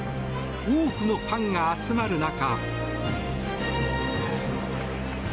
多くのファンが集まる中。